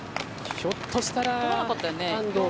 ひょっとしたら安藤は。